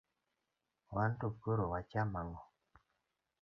wanto koro wacham ang'o?